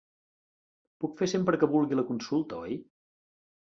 Puc fer sempre que vulgui la consulta, oi?